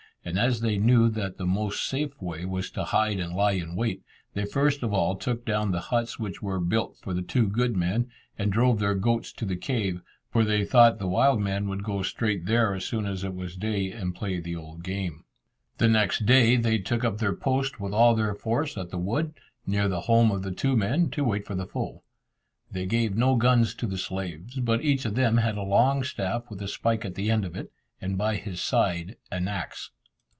And as they knew that the most safe way was to hide and lie in wait, they first of all took down the huts which were built for the two good men, and drove their goats to the cave, for they thought the wild men would go straight there as soon as it was day, and play the old game. The next day they took up their post with all their force at the wood, near the home of the two men, to wait for the foe. They gave no guns to the slaves, but each of them had a long staff with a spike at the end of it, and by his side an axe.